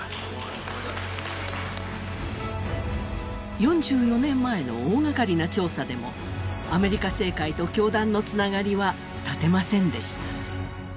４４年前の大がかりな調査でもアメリカ政界と教団のつながりは断てませんでした。